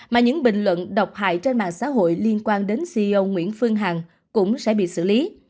mà những bình luận độc hại trên mạng xã hội liên quan đến ceo nguyễn phương hằng cũng sẽ bị xử lý